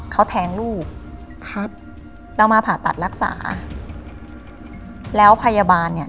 เขาแทงลูกครับเรามาผ่าตัดรักษาแล้วพยาบาลเนี่ย